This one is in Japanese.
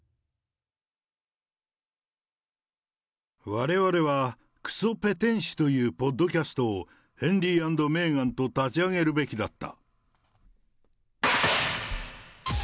われわれはくそペテン師というポッドキャストを、ヘンリー＆メーガンと立ち上げるべきだった。